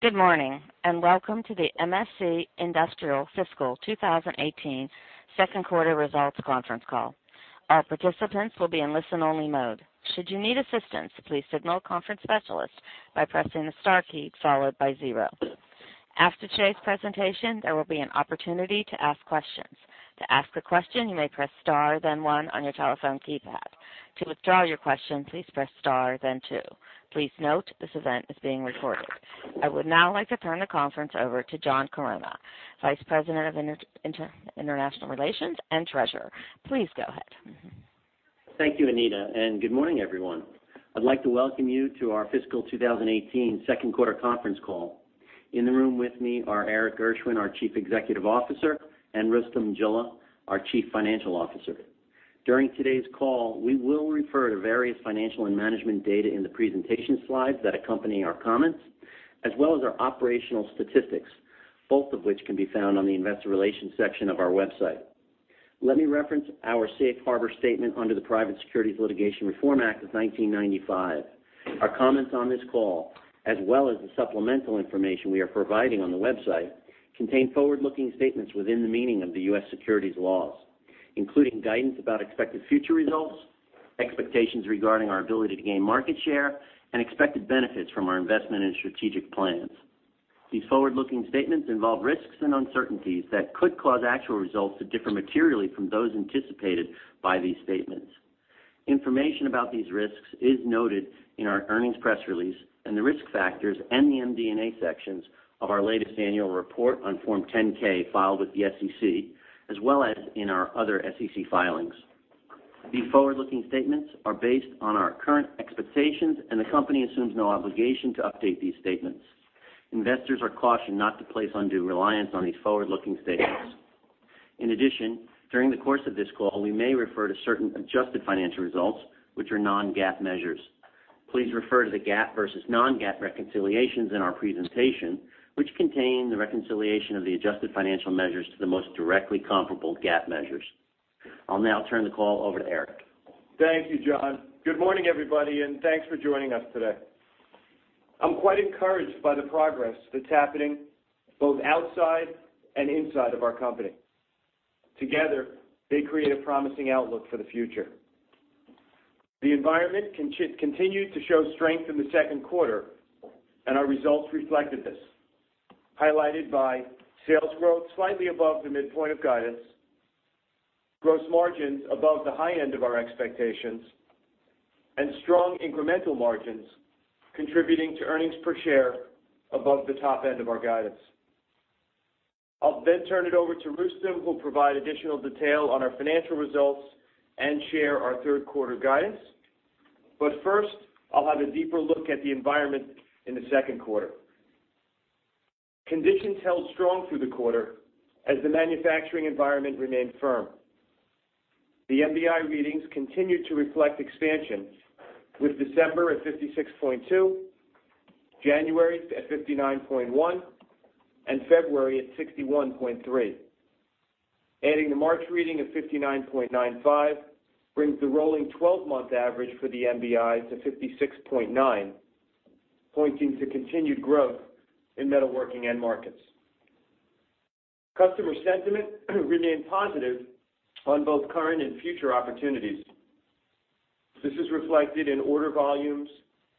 Good morning, welcome to the MSC Industrial Fiscal 2018 second quarter results conference call. All participants will be in listen-only mode. Should you need assistance, please signal a conference specialist by pressing the star key followed by zero. After today's presentation, there will be an opportunity to ask questions. To ask a question, you may press star then one on your telephone keypad. To withdraw your question, please press star then two. Please note this event is being recorded. I would now like to turn the conference over to John Chironna, Vice President, Investor Relations and Treasurer. Please go ahead. Thank you, Anita. Good morning, everyone. I'd like to welcome you to our fiscal 2018 second-quarter conference call. In the room with me are Erik Gershwind, our Chief Executive Officer, and Rustom Jilla, our Chief Financial Officer. During today's call, we will refer to various financial and management data in the presentation slides that accompany our comments, as well as our operational statistics, both of which can be found on the Investor Relations section of our website. Let me reference our safe harbor statement under the Private Securities Litigation Reform Act of 1995. Our comments on this call, as well as the supplemental information we are providing on the website, contain forward-looking statements within the meaning of the U.S. securities laws, including guidance about expected future results, expectations regarding our ability to gain market share, and expected benefits from our investment and strategic plans. These forward-looking statements involve risks and uncertainties that could cause actual results to differ materially from those anticipated by these statements. Information about these risks is noted in our earnings press release and the risk factors and the MD&A sections of our latest annual report on Form 10-K filed with the SEC, as well as in our other SEC filings. These forward-looking statements are based on our current expectations. The company assumes no obligation to update these statements. Investors are cautioned not to place undue reliance on these forward-looking statements. In addition, during the course of this call, we may refer to certain adjusted financial results, which are non-GAAP measures. Please refer to the GAAP versus non-GAAP reconciliations in our presentation, which contain the reconciliation of the adjusted financial measures to the most directly comparable GAAP measures. I'll now turn the call over to Erik. Thank you, John. Good morning, everybody. Thanks for joining us today. I'm quite encouraged by the progress that's happening both outside and inside of our company. Together, they create a promising outlook for the future. The environment continued to show strength in the second quarter. Our results reflected this, highlighted by sales growth slightly above the midpoint of guidance, gross margins above the high end of our expectations, and strong incremental margins contributing to earnings per share above the top end of our guidance. I'll turn it over to Rustom, who will provide additional detail on our financial results and share our third-quarter guidance. First, I'll have a deeper look at the environment in the second quarter. Conditions held strong through the quarter as the manufacturing environment remained firm. The MBI readings continued to reflect expansion, with December at 56.2, January at 59.1, and February at 61.3. Adding the March reading of 59.95 brings the rolling 12-month average for the MBI to 56.9, pointing to continued growth in metalworking end markets. Customer sentiment remained positive on both current and future opportunities. This is reflected in order volumes,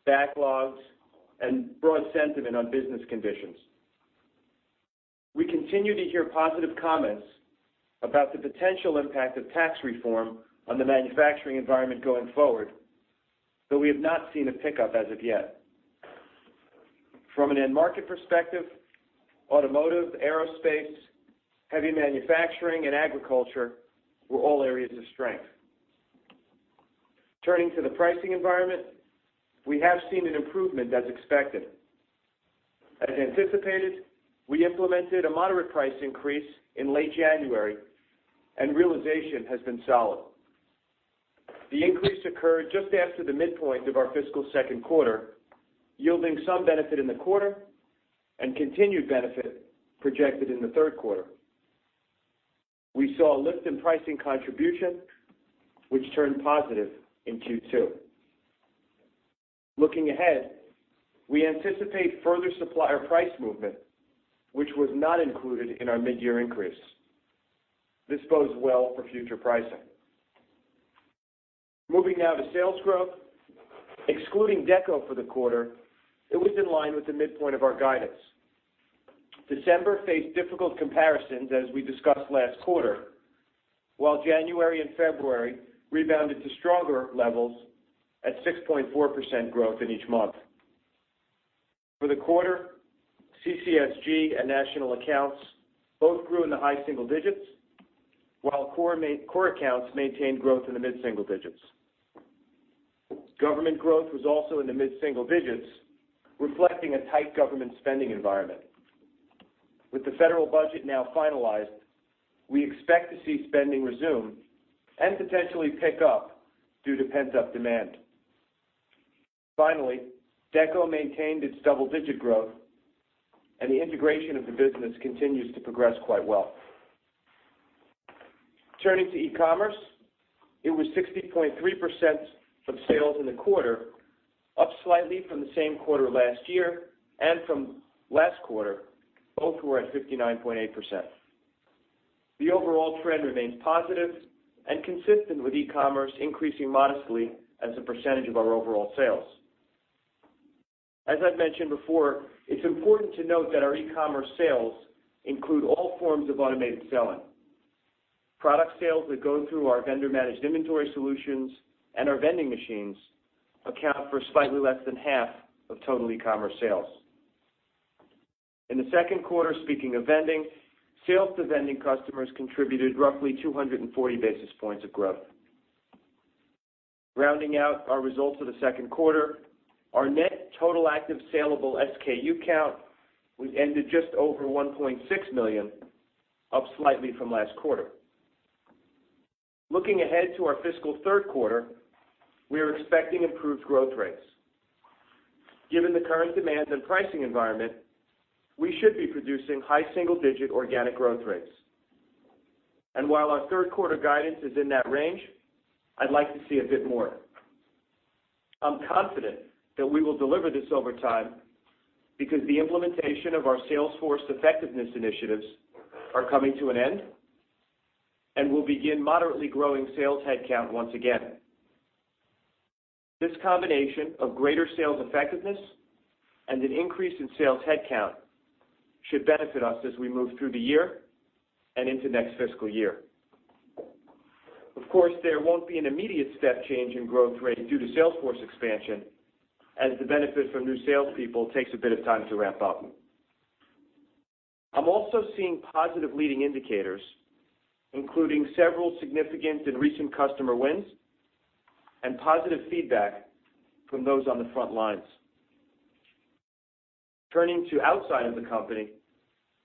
backlogs, and broad sentiment on business conditions. We continue to hear positive comments about the potential impact of tax reform on the manufacturing environment going forward, though we have not seen a pickup as of yet. From an end-market perspective, automotive, aerospace, heavy manufacturing, and agriculture were all areas of strength. Turning to the pricing environment, we have seen an improvement as expected. As anticipated, we implemented a moderate price increase in late January, and realization has been solid. The increase occurred just after the midpoint of our fiscal second quarter, yielding some benefit in the quarter and continued benefit projected in the third quarter. We saw a lift in pricing contribution, which turned positive in Q2. Looking ahead, we anticipate further supplier price movement, which was not included in our mid-year increase. This bodes well for future pricing. Moving now to sales growth. Excluding DECO for the quarter, it was in line with the midpoint of our guidance. December faced difficult comparisons as we discussed last quarter, while January and February rebounded to stronger levels at 6.4% growth in each month. For the quarter, CCSG and National Accounts both grew in the high single digits, while core accounts maintained growth in the mid-single digits. Government growth was also in the mid-single digits, reflecting a tight government spending environment. With the federal budget now finalized, we expect to see spending resume and potentially pick up due to pent-up demand. Finally, DECO maintained its double-digit growth, and the integration of the business continues to progress quite well. Turning to e-commerce, it was 60.3% of sales in the quarter, up slightly from the same quarter last year and from last quarter, both were at 59.8%. The overall trend remains positive and consistent with e-commerce increasing modestly as a percentage of our overall sales. As I've mentioned before, it's important to note that our e-commerce sales include all forms of automated selling. Product sales that go through our vendor-managed inventory solutions and our vending machines account for slightly less than half of total e-commerce sales. In the second quarter, speaking of vending, sales to vending customers contributed roughly 240 basis points of growth. Rounding out our results for the second quarter, our net total active salable SKU count was ended just over 1.6 million, up slightly from last quarter. Looking ahead to our fiscal third quarter, we are expecting improved growth rates. Given the current demands and pricing environment, we should be producing high single-digit organic growth rates. And while our third quarter guidance is in that range, I'd like to see a bit more. I'm confident that we will deliver this over time because the implementation of our sales force effectiveness initiatives are coming to an end, and we'll begin moderately growing sales headcount once again. This combination of greater sales effectiveness and an increase in sales headcount should benefit us as we move through the year and into next fiscal year. Of course, there won't be an immediate step change in growth rate due to sales force expansion as the benefit from new salespeople takes a bit of time to ramp up. I'm also seeing positive leading indicators, including several significant and recent customer wins and positive feedback from those on the front lines. Turning to outside of the company,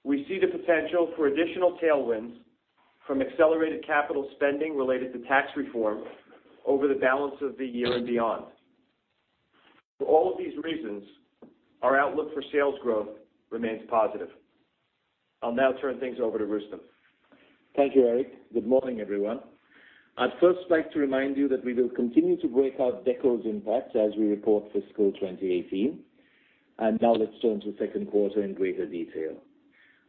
we see the potential for additional tailwinds from accelerated capital spending related to tax reform over the balance of the year and beyond. For all of these reasons, our outlook for sales growth remains positive. I'll now turn things over to Rustom. Thank you, Erik. Good morning, everyone. I'd first like to remind you that we will continue to break out DECO's impact as we report fiscal 2018. Now let's turn to the second quarter in greater detail.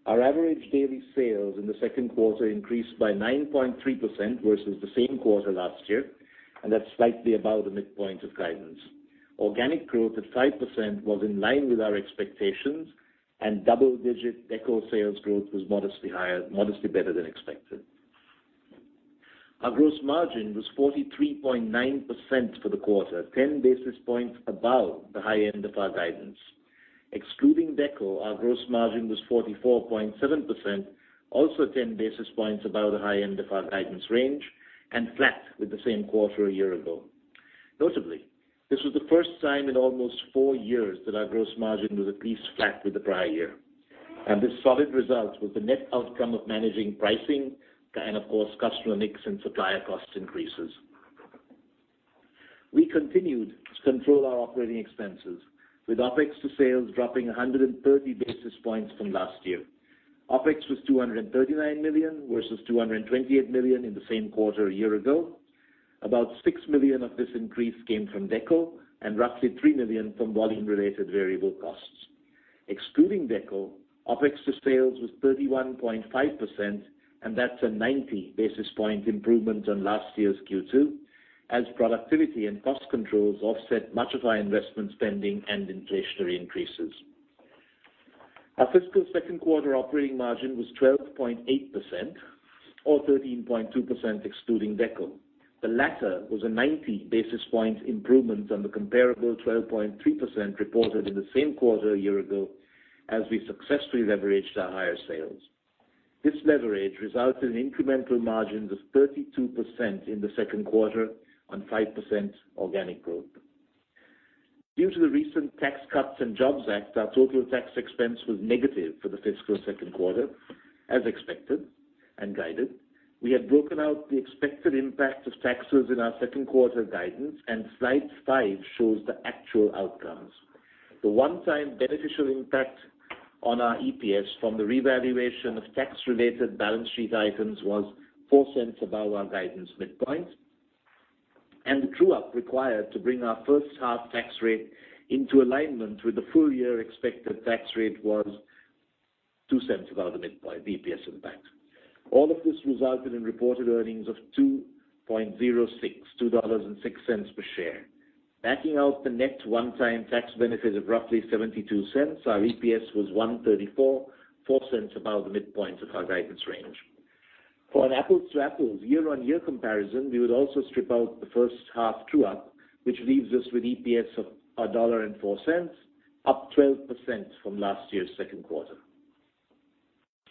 Our average daily sales in the second quarter increased by 9.3% versus the same quarter last year, and that's slightly above the midpoint of guidance. Organic growth at 5% was in line with our expectations and double-digit DECO sales growth was modestly better than expected. Our gross margin was 43.9% for the quarter, 10 basis points above the high end of our guidance. Excluding DECO, our gross margin was 44.7%, also 10 basis points above the high end of our guidance range and flat with the same quarter a year ago. Notably, this was the first time in almost four years that our gross margin was at least flat with the prior year. This solid result was the net outcome of managing pricing and of course, customer mix and supplier cost increases. We continued to control our operating expenses, with OpEx to sales dropping 130 basis points from last year. OpEx was $239 million versus $228 million in the same quarter a year ago. About $6 million of this increase came from DECO and roughly $3 million from volume-related variable costs. Excluding DECO, OpEx to sales was 31.5%, and that's a 90 basis point improvement on last year's Q2 as productivity and cost controls offset much of our investment spending and inflationary increases. Our fiscal second quarter operating margin was 12.8%, or 13.2% excluding DECO. The latter was a 90 basis point improvement on the comparable 12.3% reported in the same quarter a year ago as we successfully leveraged our higher sales. This leverage resulted in incremental margins of 32% in the second quarter on 5% organic growth. Due to the recent Tax Cuts and Jobs Act, our total tax expense was negative for the fiscal second quarter, as expected and guided. We had broken out the expected impact of taxes in our second quarter guidance and slide five shows the actual outcomes. The one-time beneficial impact on our EPS from the revaluation of tax-related balance sheet items was $0.04 above our guidance midpoint. The true-up required to bring our first half tax rate into alignment with the full-year expected tax rate was $0.02 above the midpoint, basis points impact. All of this resulted in reported earnings of $2.06 per share. Backing out the net one-time tax benefit of roughly $0.72, our EPS was $1.34, $0.04 above the midpoint of our guidance range. For an apples-to-apples year-on-year comparison, we would also strip out the first half true-up, which leaves us with EPS of $1.04, up 12% from last year's second quarter.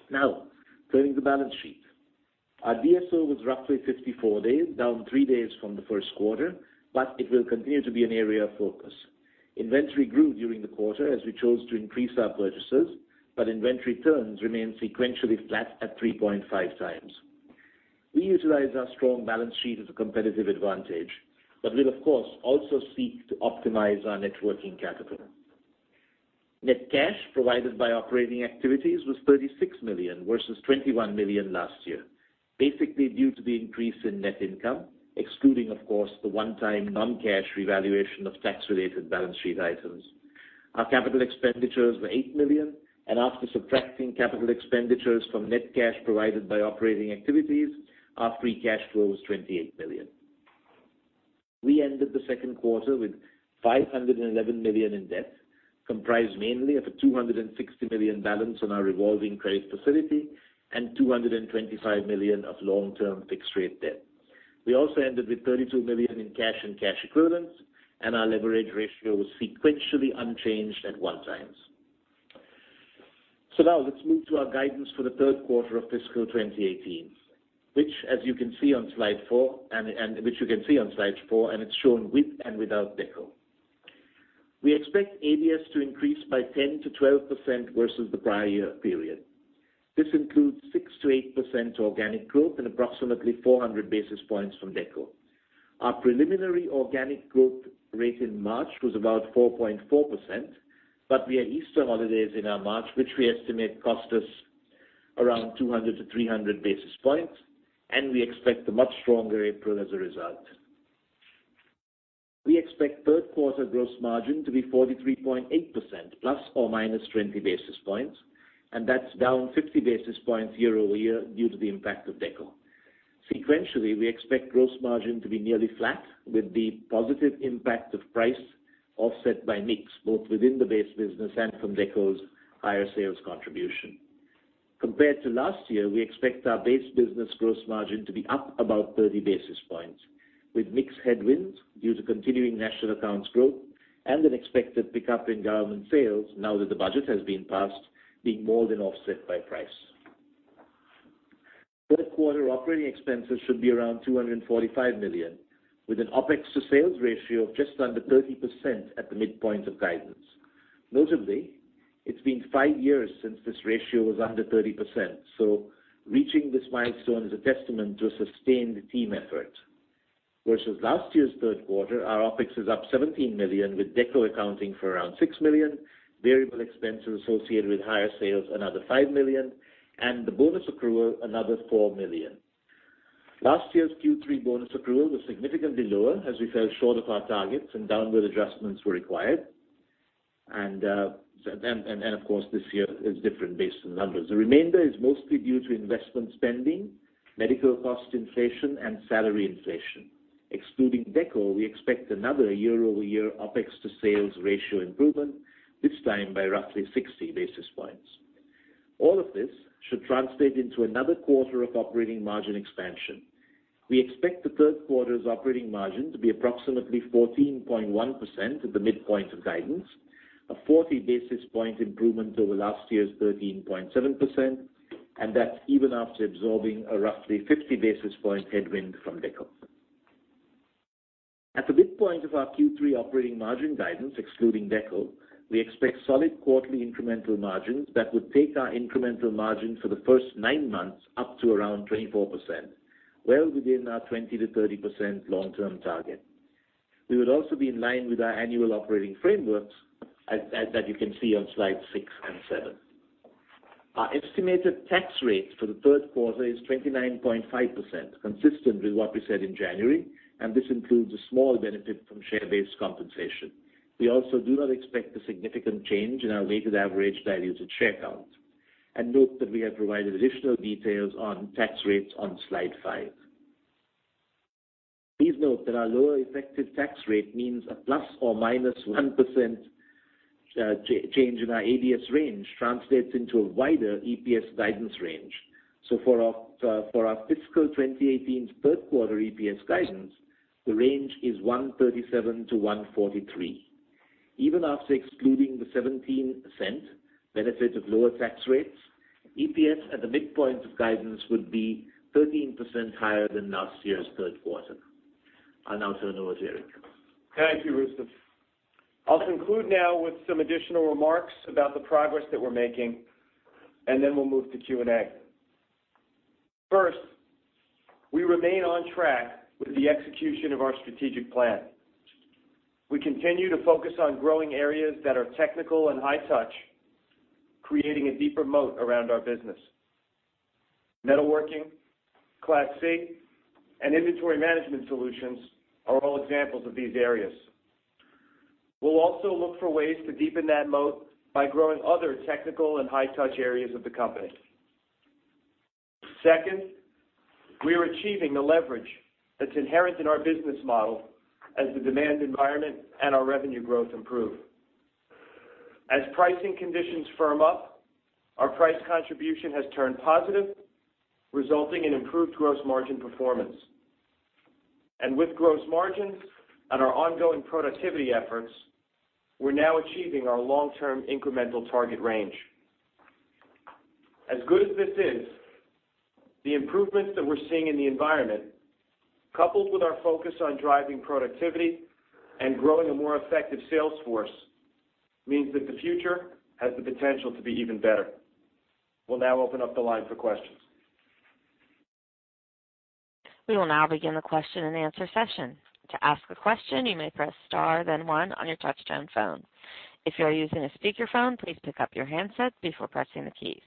Now, turning to the balance sheet. Our DSO was roughly 54 days, down three days from the first quarter, it will continue to be an area of focus. Inventory grew during the quarter as we chose to increase our purchases, inventory turns remain sequentially flat at 3.5 times. We utilize our strong balance sheet as a competitive advantage, we'll of course also seek to optimize our net working capital. Net cash provided by operating activities was $36 million, versus $21 million last year. Basically due to the increase in net income, excluding, of course, the one-time non-cash revaluation of tax-related balance sheet items. Our capital expenditures were $8 million, after subtracting capital expenditures from net cash provided by operating activities, our free cash flow was $28 million. We ended the second quarter with $511 million in debt, comprised mainly of a $260 million balance on our revolving credit facility and $225 million of long-term fixed rate debt. We also ended with $32 million in cash and cash equivalents, our leverage ratio was sequentially unchanged at one times. Let's move to our guidance for the third quarter of fiscal 2018, which you can see on slide four, it's shown with and without DECO. We expect ABS to increase by 10%-12% versus the prior year period. This includes 6%-8% organic growth and approximately 400 basis points from DECO. Our preliminary organic growth rate in March was about 4.4%, we had Easter holidays in our March, which we estimate cost us around 200-300 basis points, we expect a much stronger April as a result. We expect third quarter gross margin to be 43.8% ±20 basis points, that's down 50 basis points year-over-year due to the impact of DECO. Sequentially, we expect gross margin to be nearly flat, with the positive impact of price offset by mix, both within the base business and from DECO's higher sales contribution. Compared to last year, we expect our base business gross margin to be up about 30 basis points, with mix headwinds due to continuing National Accounts growth and an expected pickup in government sales now that the budget has been passed, being more than offset by price. Third quarter operating expenses should be around $245 million, with an OpEx to sales ratio of just under 30% at the midpoint of guidance. Notably, it's been five years since this ratio was under 30%, reaching this milestone is a testament to a sustained team effort. Versus last year's third quarter, our OpEx is up $17 million, with DECO accounting for around $6 million, variable expenses associated with higher sales another $5 million, the bonus accrual another $4 million. Last year's Q3 bonus accrual was significantly lower as we fell short of our targets and downward adjustments were required. Of course, this year is different based on numbers. The remainder is mostly due to investment spending, medical cost inflation, and salary inflation. Excluding DECO, we expect another year-over-year OpEx to sales ratio improvement, this time by roughly 60 basis points. All of this should translate into another quarter of operating margin expansion. We expect the third quarter's operating margin to be approximately 14.1% at the midpoint of guidance, a 40-basis point improvement over last year's 13.7%, even after absorbing a roughly 50-basis point headwind from DECO. At the midpoint of our Q3 operating margin guidance, excluding DECO, we expect solid quarterly incremental margins that would take our incremental margin for the first nine months up to around 24%, well within our 20%-30% long-term target. We would also be in line with our annual operating frameworks that you can see on slides six and seven. Our estimated tax rate for the third quarter is 29.5%, consistent with what we said in January. This includes a small benefit from share-based compensation. We also do not expect a significant change in our weighted average diluted share count. Note that we have provided additional details on tax rates on slide five. Please note that our lower effective tax rate means a ±1% change in our ABS range translates into a wider EPS guidance range. For our fiscal 2018's third quarter EPS guidance, the range is $1.37-$1.43. Even after excluding the $0.17 benefit of lower tax rates, EPS at the midpoint of guidance would be 13% higher than last year's third quarter. I'll now turn it over to Erik. Thank you, Rustom. I'll conclude now with some additional remarks about the progress that we're making. Then we'll move to Q&A. First, we remain on track with the execution of our strategic plan. We continue to focus on growing areas that are technical and high touch, creating a deeper moat around our business. Metalworking, Class C, and inventory management solutions are all examples of these areas. We'll also look for ways to deepen that moat by growing other technical and high touch areas of the company. Second, we are achieving the leverage that's inherent in our business model as the demand environment and our revenue growth improve. As pricing conditions firm up, our price contribution has turned positive, resulting in improved gross margin performance. With gross margins and our ongoing productivity efforts, we're now achieving our long-term incremental target range. As good as this is, the improvements that we're seeing in the environment, coupled with our focus on driving productivity and growing a more effective sales force, means that the future has the potential to be even better. We'll now open up the line for questions. We will now begin the question and answer session. To ask a question, you may press star, then one on your touchtone phone. If you are using a speakerphone, please pick up your handset before pressing the keys.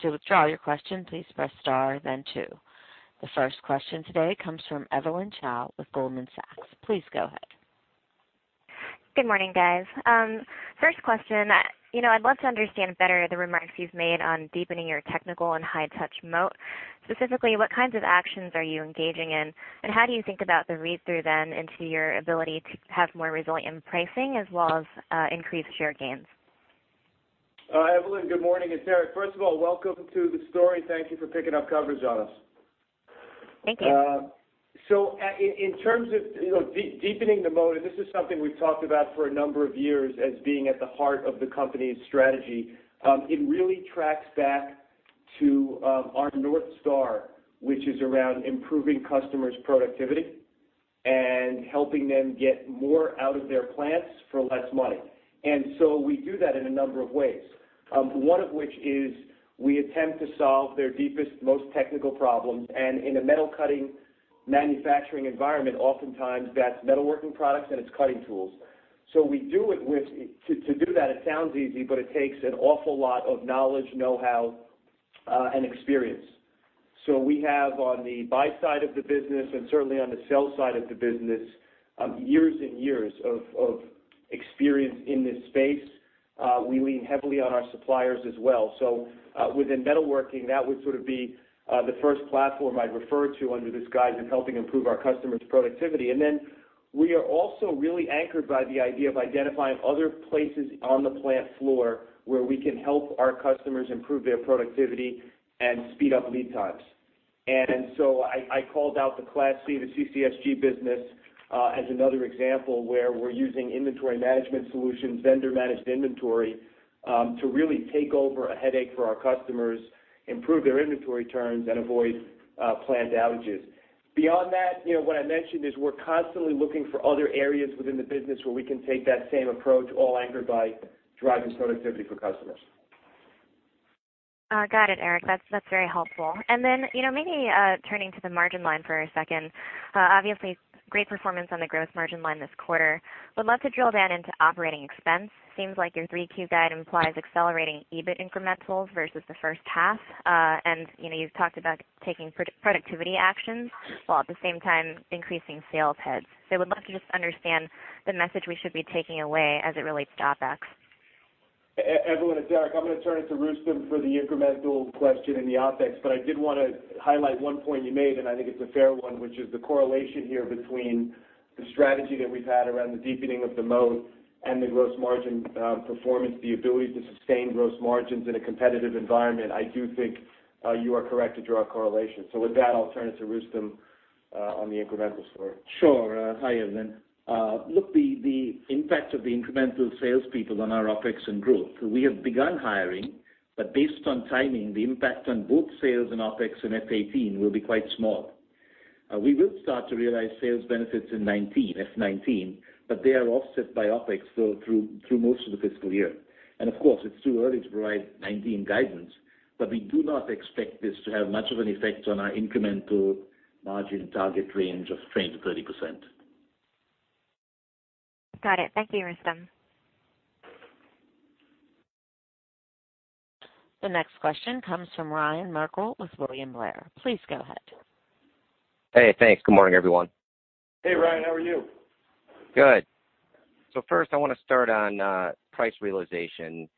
To withdraw your question, please press star, then two. The first question today comes from Evelyn Chow with Goldman Sachs. Please go ahead. Good morning, guys. First question. I'd love to understand better the remarks you've made on deepening your technical and high-touch moat. Specifically, what kinds of actions are you engaging in, and how do you think about the read-through, then, into your ability to have more resilient pricing as well as increased share gains? Evelyn, good morning. It's Erik Gershwind. First of all, welcome to the story, and thank you for picking up coverage on us. Thank you. In terms of deepening the moat, this is something we've talked about for a number of years as being at the heart of the company's strategy. It really tracks back to our North Star, which is around improving customers' productivity and helping them get more out of their plants for less money. We do that in a number of ways. One of which is we attempt to solve their deepest, most technical problems, and in a metal cutting manufacturing environment, oftentimes that's metalworking products and it's cutting tools. To do that, it sounds easy, but it takes an awful lot of knowledge, know-how, and experience. We have on the buy side of the business, and certainly on the sell side of the business, years and years of experience in this space. We lean heavily on our suppliers as well. Within metalworking, that would sort of be the first platform I'd refer to under this guise of helping improve our customers' productivity. We are also really anchored by the idea of identifying other places on the plant floor where we can help our customers improve their productivity and speed up lead times. I called out the Class C, the CCSG business, as another example where we're using inventory management solutions, vendor-managed inventory, to really take over a headache for our customers, improve their inventory turns, and avoid planned outages. Beyond that, what I mentioned is we're constantly looking for other areas within the business where we can take that same approach, all anchored by driving productivity for customers. Got it, Erik. That's very helpful. Maybe turning to the margin line for a second. Obviously, great performance on the gross margin line this quarter. Would love to drill down into operating expense. Seems like your 3Q guide implies accelerating EBIT incrementals versus the first half. You've talked about taking productivity actions while at the same time increasing sales heads. Would love to just understand the message we should be taking away as it relates to OpEx. Evelyn, it's Erik. I'm going to turn it to Rustom for the incremental question in the OpEx, I did want to highlight one point you made, and I think it's a fair one, which is the correlation here between the strategy that we've had around the deepening of the moat and the gross margin performance, the ability to sustain gross margins in a competitive environment. I do think you are correct to draw a correlation. With that, I'll turn it to Rustom on the incremental story. Sure. Hi, Evelyn. Look, the impact of the incremental salespeople on our OpEx and growth. We have begun hiring, but based on timing, the impact on both sales and OpEx in FY 2018 will be quite small. We will start to realize sales benefits in FY 2019, but they are offset by OpEx through most of the fiscal year. Of course, it's too early to provide 2019 guidance, but we do not expect this to have much of an effect on our incremental margin target range of 20%-30%. Got it. Thank you, Rustom. The next question comes from Ryan Merkel with William Blair. Please go ahead. Hey, thanks. Good morning, everyone. Hey, Ryan. How are you? Good. First I want to start on price realization.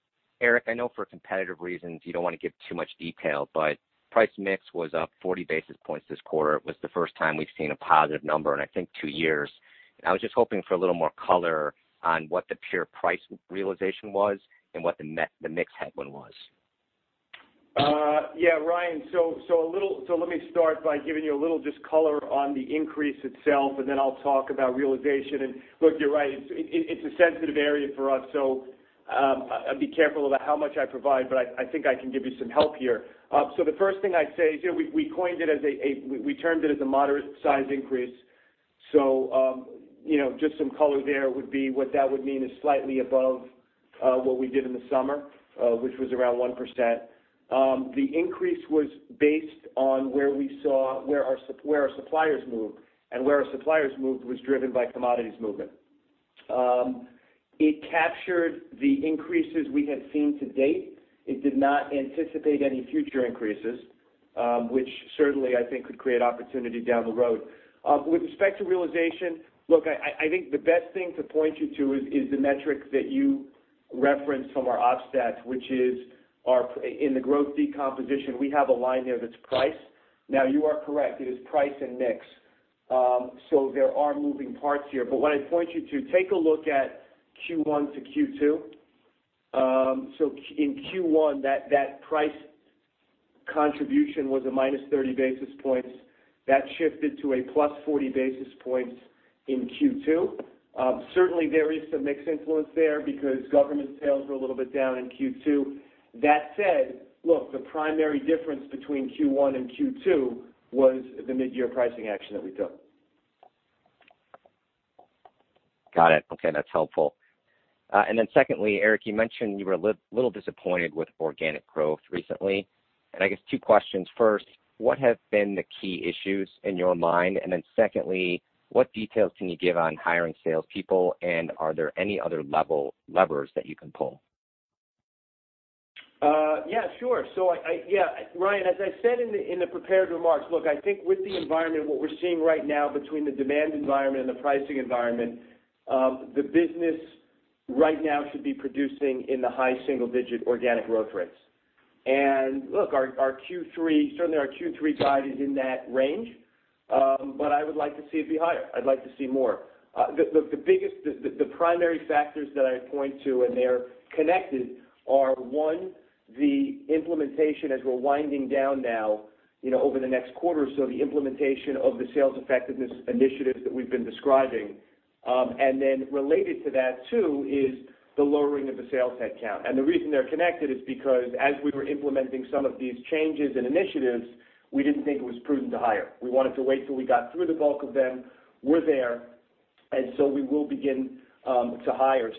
Erik, I know for competitive reasons you don't want to give too much detail, but price mix was up 40 basis points this quarter. It was the first time we've seen a positive number in I think two years. I was just hoping for a little more color on what the pure price realization was and what the mix headwind was. Yeah, Ryan. Let me start by giving you a little just color on the increase itself, then I'll talk about realization. Look, you're right, it's a sensitive area for us, I'll be careful about how much I provide, but I think I can give you some help here. The first thing I'd say is, we termed it as a moderate size increase. Just some color there would be what that would mean is slightly above what we did in the summer, which was around 1%. The increase was based on where we saw where our suppliers moved, where our suppliers moved was driven by commodities movement. It captured the increases we had seen to date. It did not anticipate any future increases, which certainly I think could create opportunity down the road. With respect to realization, look, I think the best thing to point you to is the metric that you referenced from our op stats, which is in the growth decomposition. We have a line there that's price. Now, you are correct. It is price and mix. There are moving parts here. What I'd point you to, take a look at Q1 to Q2. In Q1, that price contribution was a minus 30 basis points. That shifted to a plus 40 basis points in Q2. Certainly, there is some mix influence there because government sales were a little bit down in Q2. That said, look, the primary difference between Q1 and Q2 was the mid-year pricing action that we took. Got it. Okay, that's helpful. Secondly, Erik, you mentioned you were a little disappointed with organic growth recently, I guess two questions. First, what have been the key issues in your mind? Secondly, what details can you give on hiring salespeople, and are there any other levers that you can pull? Yeah, sure. Ryan, as I said in the prepared remarks, look, I think with the environment, what we're seeing right now between the demand environment and the pricing environment, the business right now should be producing in the high single-digit organic growth rates. Look, certainly our Q3 guide is in that range. I would like to see it be higher. I'd like to see more. Look, the primary factors that I point to, and they're connected, are one, the implementation as we're winding down now over the next quarter or so, the implementation of the sales effectiveness initiatives that we've been describing. Related to that, two, is the lowering of the sales headcount. The reason they're connected is because as we were implementing some of these changes and initiatives, we didn't think it was prudent to hire. We wanted to wait till we got through the bulk of them. We're there, we will begin to hire.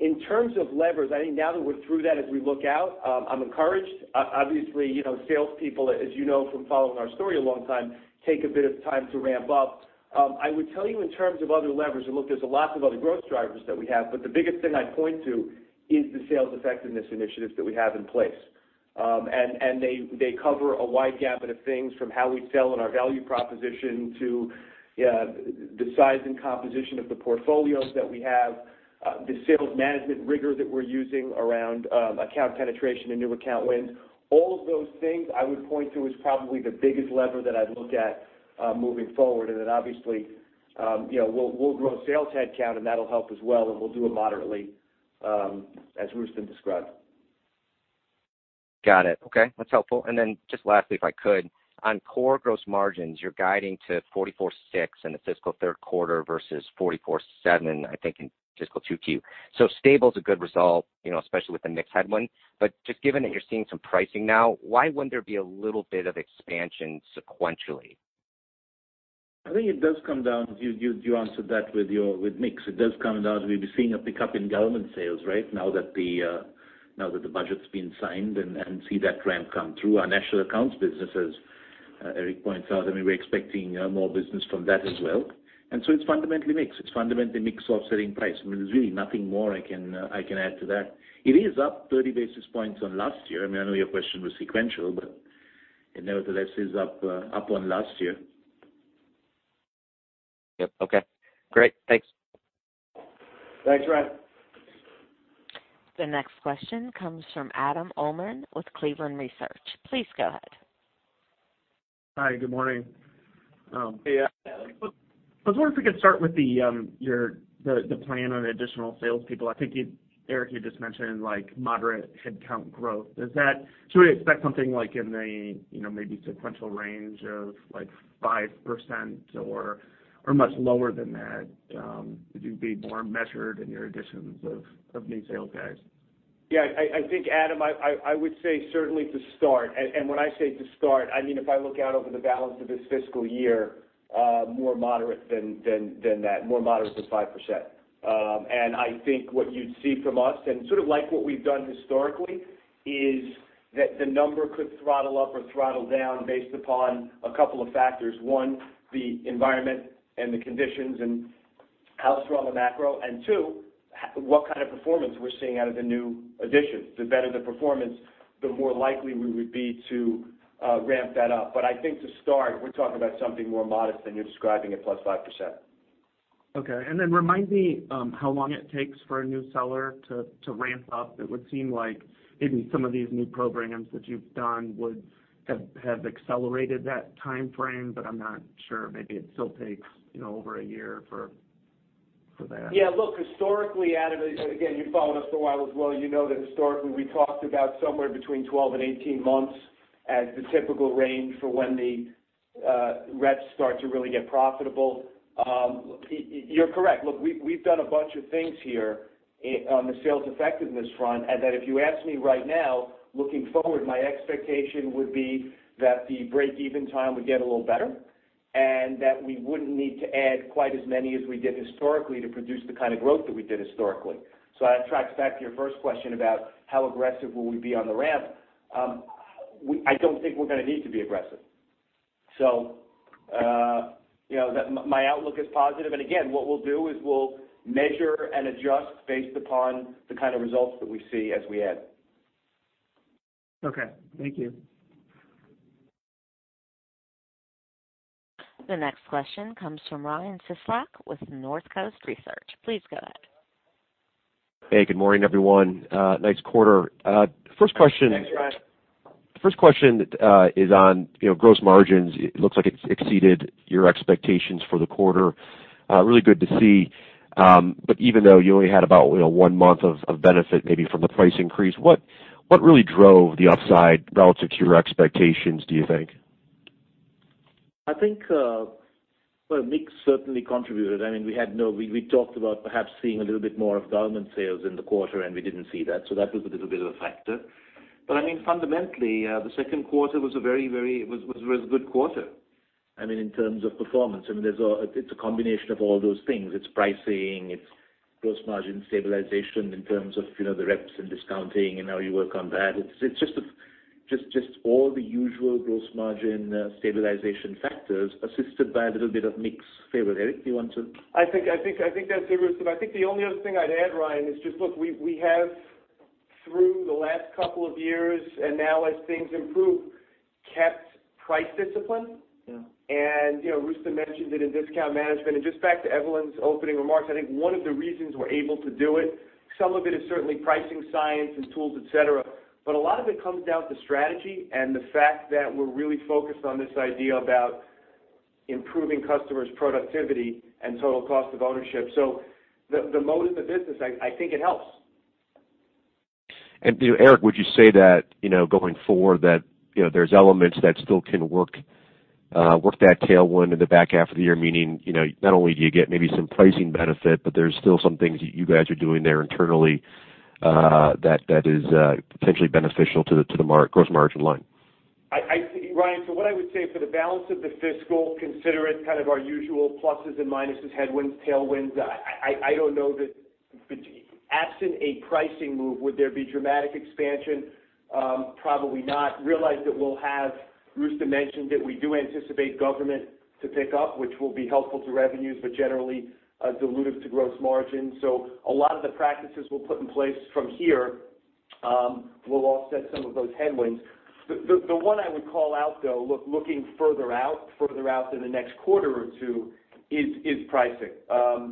In terms of levers, I think now that we're through that, as we look out, I'm encouraged. Obviously, salespeople, as you know from following our story a long time, take a bit of time to ramp up. I would tell you in terms of other levers, look, there's lots of other growth drivers that we have, but the biggest thing I'd point to is the sales effectiveness initiatives that we have in place. They cover a wide gamut of things, from how we sell and our value proposition to the size and composition of the portfolios that we have, the sales management rigor that we're using around account penetration and new account wins. All of those things I would point to as probably the biggest lever that I'd look at moving forward. Obviously, we'll grow sales headcount, and that'll help as well, and we'll do it moderately, as Rustom described. Got it. Okay, that's helpful. Just lastly, if I could, on core gross margins, you're guiding to 44.6% in the fiscal third quarter versus 44.7%, I think, in fiscal 2Q. Stable is a good result, especially with the mix headwind. Just given that you're seeing some pricing now, why wouldn't there be a little bit of expansion sequentially? You answered that with mix. It does come down to we'll be seeing a pickup in government sales, right, now that the budget's been signed and see that ramp come through. Our National Accounts businesses, as Erik points out, we're expecting more business from that as well. It's fundamentally mix. It's fundamentally mix offsetting price. I mean, there's really nothing more I can add to that. It is up 30 basis points on last year. I know your question was sequential, it nevertheless is up on last year. Yep. Okay, great. Thanks. Thanks, Ryan. The next question comes from Adam Uhlman with Cleveland Research. Please go ahead. Hi, good morning. Hey, Adam. I was wondering if we could start with the plan on additional salespeople. I think, Erik, you just mentioned moderate headcount growth. Should we expect something like in the maybe sequential range of 5% or much lower than that? Would you be more measured in your additions of new sales guys? Yeah, I think, Adam, I would say certainly to start, when I say to start, I mean if I look out over the balance of this fiscal year, more moderate than that. More moderate than 5%. I think what you'd see from us, sort of like what we've done historically, is that the number could throttle up or throttle down based upon a couple of factors. One, the environment and the conditions and how strong the macro. Two, what kind of performance we're seeing out of the new additions. The better the performance, the more likely we would be to ramp that up. I think to start, we're talking about something more modest than you're describing at plus 5%. Okay. Then remind me how long it takes for a new seller to ramp up. It would seem like maybe some of these new programs that you've done would have accelerated that timeframe, but I'm not sure. Maybe it still takes over one year for that. Yeah, look, historically, Adam, again, you've followed us for a while as well. You know that historically, we talked about somewhere between 12 and 18 months as the typical range for when the reps start to really get profitable. You're correct. Look, we've done a bunch of things here on the sales effectiveness front, if you ask me right now, looking forward, my expectation would be that the break-even time would get a little better and that we wouldn't need to add quite as many as we did historically to produce the kind of growth that we did historically. That tracks back to your first question about how aggressive will we be on the ramp. I don't think we're going to need to be aggressive. My outlook is positive. Again, what we'll do is we'll measure and adjust based upon the kind of results that we see as we add. Okay. Thank you. The next question comes from Ryan Cieslak with Northcoast Research. Please go ahead. Hey, good morning, everyone. Nice quarter. Thanks, Ryan. First question is on gross margins. It looks like it's exceeded your expectations for the quarter. Really good to see. Even though you only had about one month of benefit, maybe from the price increase, what really drove the upside relative to your expectations, do you think? I think, well, mix certainly contributed. I mean, we talked about perhaps seeing a little bit more of government sales in the quarter, and we didn't see that. That was a little bit of a factor. I mean, fundamentally, the second quarter was a very good quarter. In terms of performance, it's a combination of all those things. It's pricing, it's gross margin stabilization in terms of the reps and discounting and how you work on that. It's just all the usual gross margin stabilization factors assisted by a little bit of mix favor. Erik, do you want to? I think that's it, Rustom. I think the only other thing I'd add, Ryan, is just look, we have through the last couple of years, and now as things improve, kept price discipline. Yeah. Rustom mentioned it in discount management. Just back to Evelyn's opening remarks, I think one of the reasons we're able to do it, some of it is certainly pricing science and tools, et cetera, but a lot of it comes down to strategy and the fact that we're really focused on this idea about improving customers' productivity and total cost of ownership. The mode of the business, I think it helps. Erik, would you say that going forward that there's elements that still can work that tailwind in the back half of the year? Meaning, not only do you get maybe some pricing benefit, but there's still some things that you guys are doing there internally, that is potentially beneficial to the gross margin line. Ryan, what I would say for the balance of the fiscal, consider it kind of our usual pluses and minuses, headwinds, tailwinds. I don't know that absent a pricing move, would there be dramatic expansion? Probably not. Realize that Rustom mentioned that we do anticipate government to pick up, which will be helpful to revenues, but generally, dilutive to gross margin. A lot of the practices we'll put in place from here will offset some of those headwinds. The one I would call out, though, looking further out than the next quarter or two, is pricing.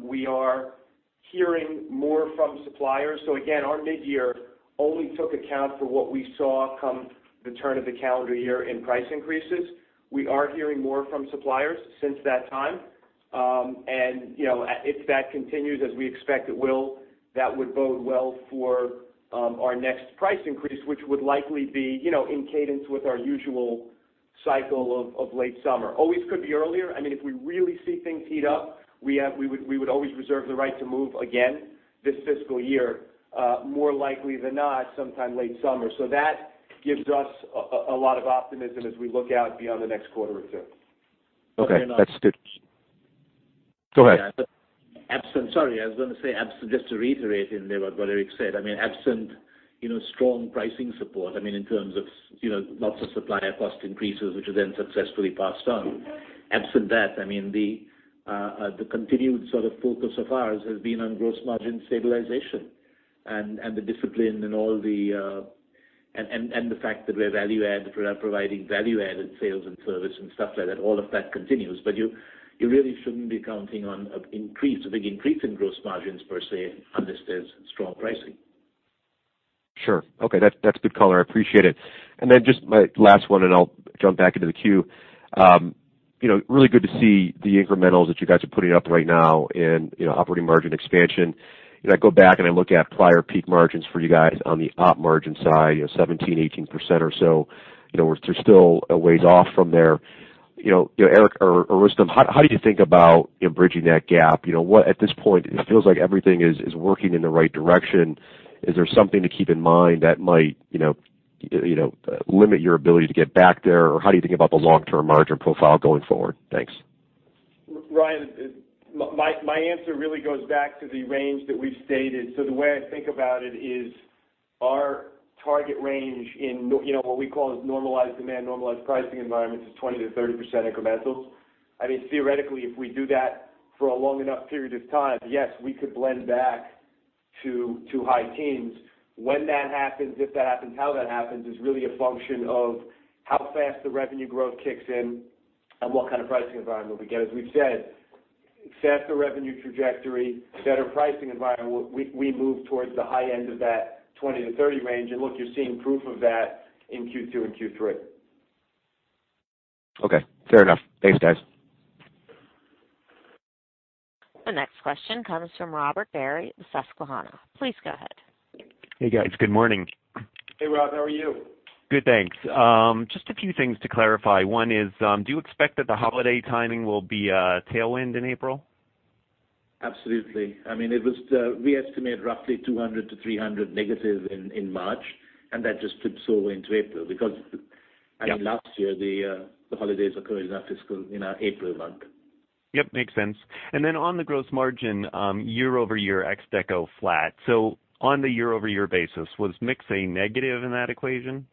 We are hearing more from suppliers. Again, our mid-year only took account for what we saw come the turn of the calendar year in price increases. We are hearing more from suppliers since that time. If that continues, as we expect it will, that would bode well for our next price increase, which would likely be in cadence with our usual cycle of late summer. Always could be earlier. If we really see things heat up, we would always reserve the right to move again this fiscal year, more likely than not, sometime late summer. That gives us a lot of optimism as we look out beyond the next quarter or two. Okay. That's good. Go ahead. Sorry, I was going to say, just to reiterate in there what Erik said, absent strong pricing support, in terms of lots of supplier cost increases, which are then successfully passed on. Absent that, the continued sort of focus of ours has been on gross margin stabilization and the discipline and the fact that we're providing value-added sales and service and stuff like that. All of that continues. You really shouldn't be counting on an increase, a big increase in gross margins per se, unless there's strong pricing. Sure. Okay. That's good color. I appreciate it. Then just my last one, and I'll jump back into the queue. Really good to see the incrementals that you guys are putting up right now in operating margin expansion. I go back and I look at prior peak margins for you guys on the op margin side, 17%, 18% or so. We're still a ways off from there. Erik or Rustom, how do you think about bridging that gap? At this point, it feels like everything is working in the right direction. Is there something to keep in mind that might limit your ability to get back there? Or how do you think about the long-term margin profile going forward? Thanks. Ryan, my answer really goes back to the range that we've stated. The way I think about it is our target range in what we call is normalized demand, normalized pricing environments is 20%-30% incremental. Theoretically, if we do that for a long enough period of time, yes, we could blend back to high teens. When that happens, if that happens, how that happens is really a function of how fast the revenue growth kicks in and what kind of pricing environment we get. As we've said, faster revenue trajectory, better pricing environment, we move towards the high end of that 20-30 range. Look, you're seeing proof of that in Q2 and Q3. Okay. Fair enough. Thanks, guys. The next question comes from Robert Barry at Susquehanna. Please go ahead. Hey, guys. Good morning. Hey, Rob. How are you? Good, thanks. Just a few things to clarify. One is, do you expect that the holiday timing will be a tailwind in April? Absolutely. We estimate roughly $200 to $300 negative in March, and that just flips over into April because- Yeah last year, the holidays occurred in our April month. Yep, makes sense. On the gross margin, year-over-year, ex DECO flat. On the year-over-year basis, was mix a negative in that equation?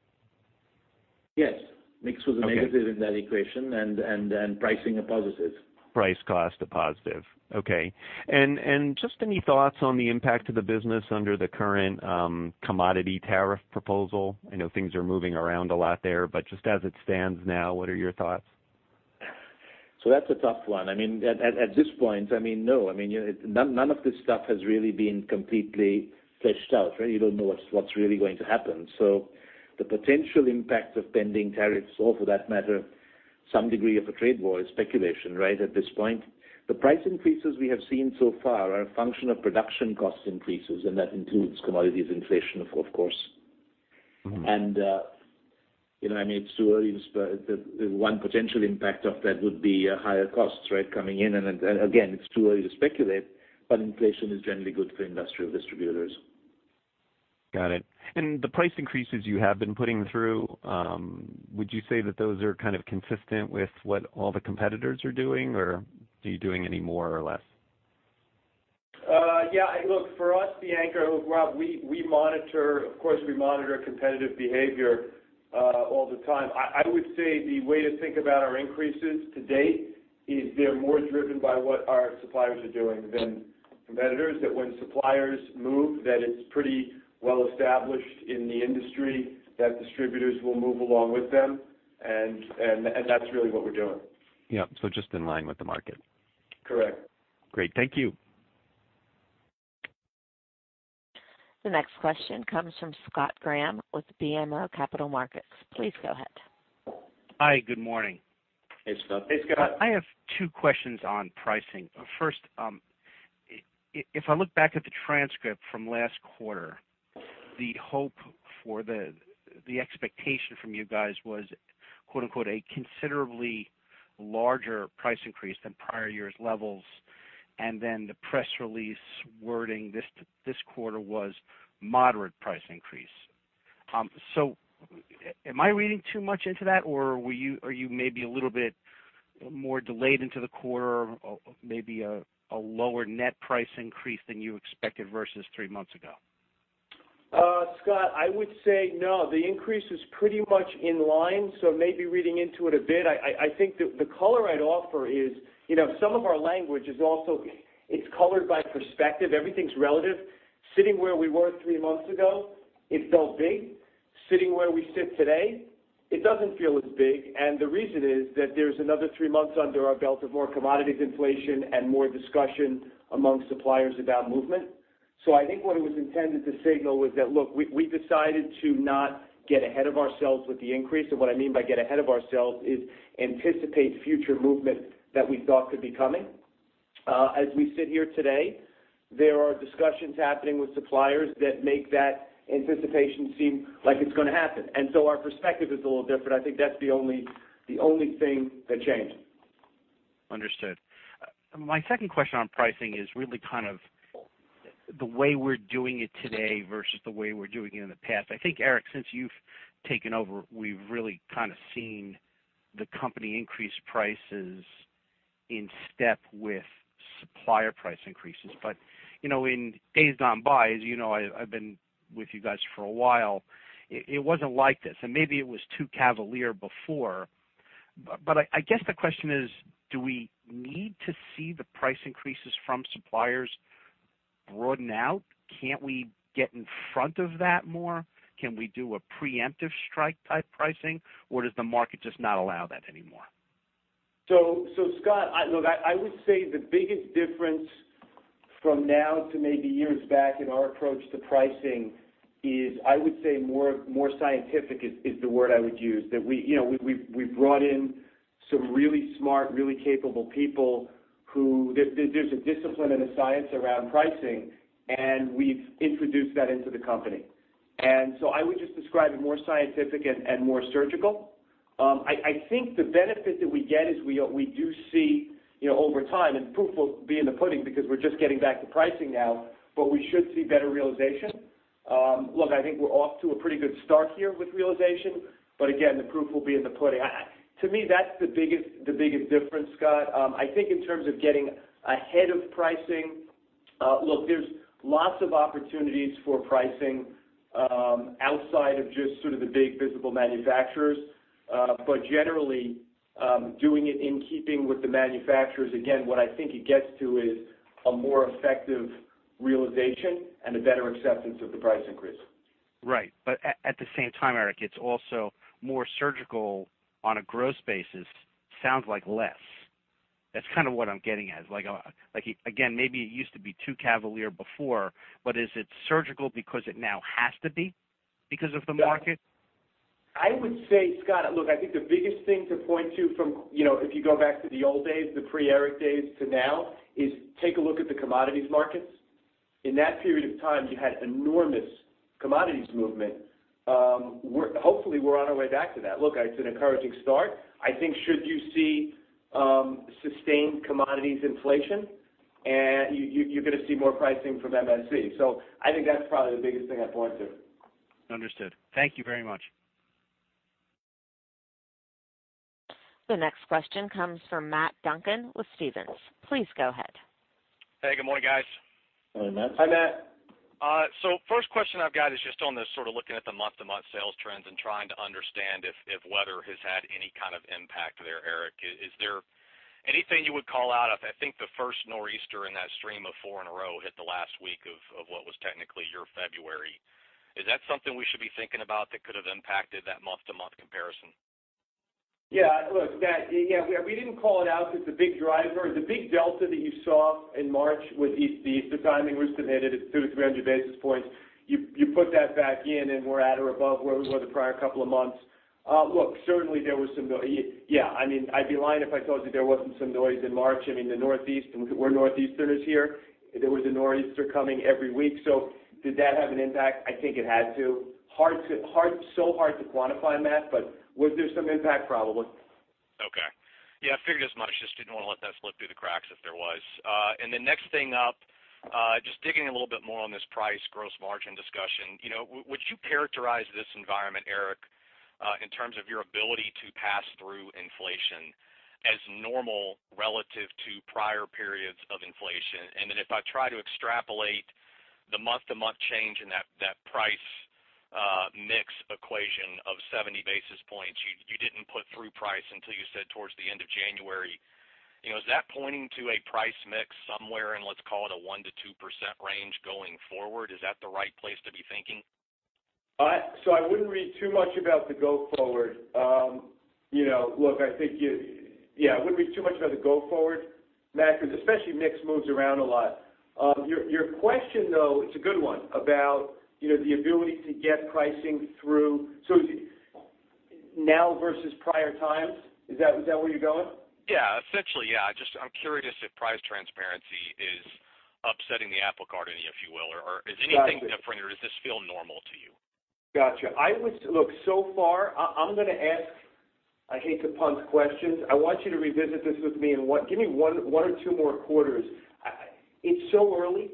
Yes. Mix was a negative- Okay in that equation pricing a positive. Price cost a positive. Okay. Just any thoughts on the impact to the business under the current commodity tariff proposal? I know things are moving around a lot there, but just as it stands now, what are your thoughts? That's a tough one. At this point, no. None of this stuff has really been completely fleshed out. You don't know what's really going to happen. The potential impact of pending tariffs or for that matter, some degree of a trade war is speculation right at this point. The price increases we have seen so far are a function of production cost increases, and that includes commodities inflation, of course. It's too early, but the one potential impact of that would be higher costs coming in. Again, it's too early to speculate, but inflation is generally good for industrial distributors. Got it. The price increases you have been putting through, would you say that those are kind of consistent with what all the competitors are doing, or are you doing any more or less? Yeah. Look, for us, the anchor, Rob, we monitor, of course, competitive behavior all the time. I would say the way to think about our increases to date is they're more driven by what our suppliers are doing than competitors. That when suppliers move, that it's pretty well established in the industry that distributors will move along with them, that's really what we're doing. Yep. Just in line with the market. Correct. Great. Thank you. The next question comes from Scott Graham with BMO Capital Markets. Please go ahead. Hi. Good morning. Hey, Scott. Hey, Scott. I have two questions on pricing. First, if I look back at the transcript from last quarter, the hope for the expectation from you guys was "a considerably larger price increase than prior years' levels." The press release wording this quarter was moderate price increase. Am I reading too much into that, or are you maybe a little bit more delayed into the quarter or maybe a lower net price increase than you expected versus three months ago? Scott, I would say no. The increase is pretty much in line, so maybe reading into it a bit. I think the color I'd offer is some of our language is also colored by perspective. Everything's relative. Sitting where we were three months ago, it felt big. Sitting where we sit today, it doesn't feel as big, and the reason is that there's another three months under our belt of more commodities inflation and more discussion among suppliers about movement. I think what it was intended to signal was that, look, we decided to not get ahead of ourselves with the increase. What I mean by get ahead of ourselves is anticipate future movement that we thought could be coming. As we sit here today, there are discussions happening with suppliers that make that anticipation seem like it's going to happen. Our perspective is a little different. I think that's the only thing that changed. Understood. My second question on pricing is really kind of the way we're doing it today versus the way we're doing it in the past. I think, Erik, since you've taken over, we've really kind of seen the company increase prices in step with supplier price increases. In days gone by, as you know, I've been with you guys for a while, it wasn't like this, and maybe it was too cavalier before. I guess the question is, do we need to see the price increases from suppliers broaden out? Can't we get in front of that more? Can we do a preemptive strike type pricing, does the market just not allow that anymore? Scott, look, I would say the biggest difference from now to maybe years back in our approach to pricing is, I would say more scientific is the word I would use. We've brought in some really smart, really capable people. There's a discipline and a science around pricing, and we've introduced that into the company. I would just describe it more scientific and more surgical. I think the benefit that we get is we do see over time, and proof will be in the pudding because we're just getting back to pricing now, but we should see better realization. Look, I think we're off to a pretty good start here with realization, but again, the proof will be in the pudding. To me, that's the biggest difference, Scott. I think in terms of getting ahead of pricing, look, there's lots of opportunities for pricing outside of just sort of the big visible manufacturers. Generally, doing it in keeping with the manufacturers. Again, what I think it gets to is a more effective realization and a better acceptance of the price increase. Right. At the same time, Erik, it's also more surgical on a gross basis, sounds like less. That's kind of what I'm getting at. Again, maybe it used to be too cavalier before, but is it surgical because it now has to be because of the market? I would say, Scott, look, I think the biggest thing to point to from if you go back to the old days, the pre-Erik days to now is take a look at the commodities markets. In that period of time, you had enormous commodities movement. Hopefully, we're on our way back to that. Look, it's an encouraging start. I think should you see sustained commodities inflation, you're going to see more pricing from MSC. I think that's probably the biggest thing I'd point to. Understood. Thank you very much. The next question comes from Matt Duncan with Stephens. Please go ahead. Hey, good morning, guys. Morning, Matt. Hi, Matt. First question I've got is just on the sort of looking at the month-to-month sales trends and trying to understand if weather has had any kind of impact there, Erik. Is there anything you would call out? I think the first nor'easter in that stream of four in a row hit the last week of what was technically your February. Is that something we should be thinking about that could have impacted that month-to-month comparison? Look, Matt, we didn't call it out because the big driver, the big delta that you saw in March with the Easter timing was committed at 200-300 basis points. We're at or above where we were the prior couple of months. Look, certainly there was some noise. I'd be lying if I told you there wasn't some noise in March. I mean, the Northeast, we're Northeasterners here. There was a nor'easter coming every week. Did that have an impact? I think it had to. Hard to quantify, Matt, but was there some impact? Probably. Figured as much. Just didn't want to let that slip through the cracks if there was. Next thing up, just digging a little bit more on this price gross margin discussion. Would you characterize this environment, Erik, in terms of your ability to pass through inflation as normal relative to prior periods of inflation? If I try to extrapolate the month-to-month change in that price mix equation of 70 basis points, you didn't put through price until you said towards the end of January. Is that pointing to a price mix somewhere in, let's call it, a 1%-2% range going forward? Is that the right place to be thinking? I wouldn't read too much about the go forward. I think, yeah, I wouldn't read too much about the go forward, Matt, because especially mix moves around a lot. Your question, though, it's a good one, about the ability to get pricing through. Now versus prior times? Is that where you're going? Yeah, essentially, yeah. Just I'm curious if price transparency is upsetting the apple cart any, if you will? Got it. Is anything different or does this feel normal to you? Got you. Look, so far, I'm going to ask, I hate to punt questions. I want you to revisit this with me, give me one or two more quarters. It's so early.